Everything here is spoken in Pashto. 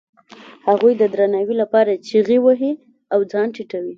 هغوی د درناوي لپاره چیغې وهي او ځان ټیټوي.